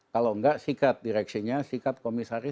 kalau enggak sikat direksinya sikat komisarisnya